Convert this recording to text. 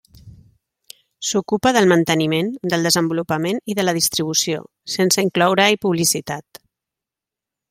S'ocupa del manteniment, del desenvolupament i de la distribució, sense incloure-hi publicitat.